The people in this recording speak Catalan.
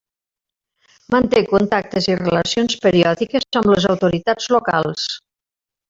Manté contactes i relacions periòdiques amb les autoritats locals.